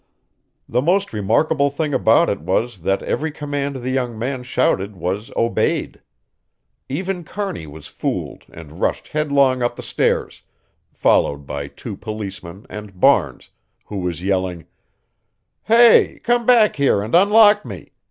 The most remarkable thing about it was that every command the young man shouted was obeyed. Even Kearney was fooled and rushed headlong up the stairs, followed by two policemen and Barnes, who was yelling: "Hey! come back here and unlock me!